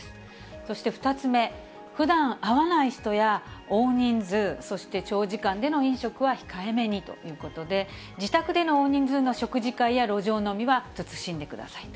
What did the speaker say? そして２つ目、ふだん会わない人や大人数、そして長時間での飲食は控えめにということで、自宅での大人数の食事会や路上飲みは慎んでくださいと。